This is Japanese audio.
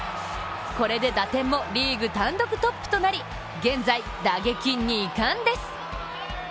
これで打点もリーグ単独トップとなり現在打撃２冠です。